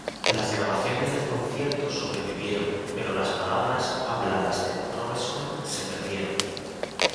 Las grabaciones del concierto sobrevivieron, pero las palabras habladas de Robeson se perdieron.